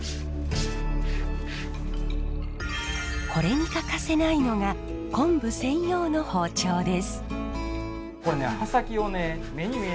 これに欠かせないのが昆布専用の包丁です。